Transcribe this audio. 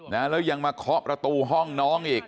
แล้วยังมาเคาะประตูห้องน้องอีก